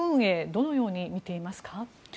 どのように見ていますか。